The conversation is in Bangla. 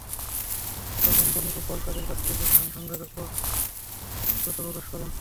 তখন বনি গোপাল তাঁদের কাছ থেকে ধান সংগ্রহে অপারগতা প্রকাশ করেন।